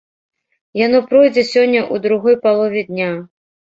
Яно пройдзе сёння ў другой палове дня.